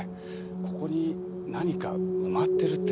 ここに何か埋まってるって。